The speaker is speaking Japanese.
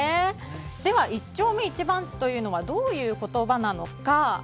では一丁目一番地というのはどういう言葉なのか。